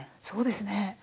そうですね。